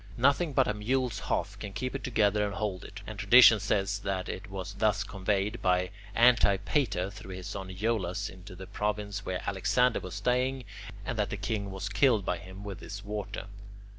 Nothing but a mule's hoof can keep it together and hold it, and tradition says that it was thus conveyed by Antipater through his son Iollas into the province where Alexander was staying, and that the king was killed by him with this water.